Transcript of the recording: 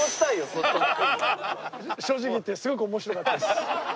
正直言ってすごく面白かったです。